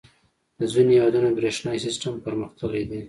• د ځینو هېوادونو برېښنايي سیسټم پرمختللی دی.